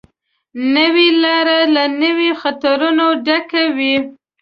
نوې لاره له نویو خطرونو ډکه وي